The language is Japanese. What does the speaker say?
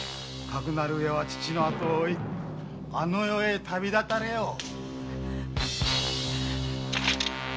かくなるうえは父の後を追いあの世へ旅立たれよ。